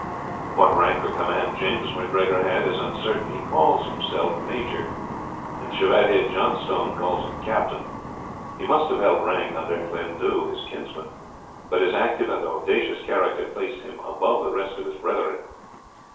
What rank or command James MacGregor had, is uncertain. He calls himself Major; and Chevalier Johnstone calls him Captain. He must have held rank under Ghlune Dhu, his kinsman, but his active and audacious character placed him above the rest of his brethren.